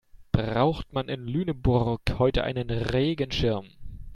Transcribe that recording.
Braucht man in Lüneburg heute einen Regenschirm?